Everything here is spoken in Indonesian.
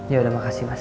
ya udah makasih mas